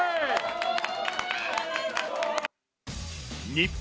日本！